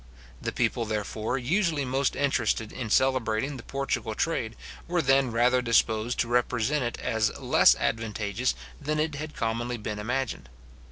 The people, therefore, usually most interested in celebrating the Portugal trade, were then rather disposed to represent it as less advantageous than it had commonly been imagined.